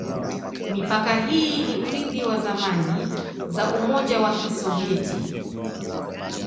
Mipaka hii ni urithi wa zamani za Umoja wa Kisovyeti.